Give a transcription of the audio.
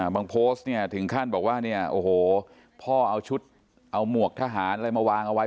โพสต์เนี่ยถึงขั้นบอกว่าเนี่ยโอ้โหพ่อเอาชุดเอาหมวกทหารอะไรมาวางเอาไว้